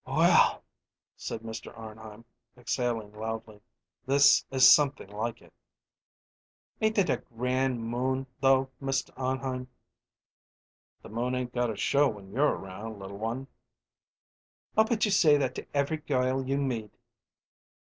"Well," said Mr. Arnheim, exhaling loudly, "this is something like it." "Ain't that a grand moon, though, Mr. Arnheim?" "The moon 'ain't got a show when you're round, little one." "I'll bet you say that to every girl you meet."